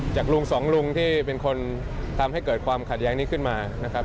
ลุงสองลุงที่เป็นคนทำให้เกิดความขัดแย้งนี้ขึ้นมานะครับ